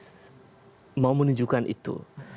mereka mau menunjukkan itu